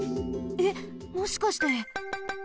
えっもしかして。